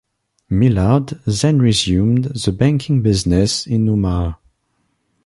Millard then resumed the banking business in Omaha.